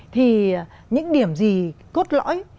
thì những điểm gì cốt lõi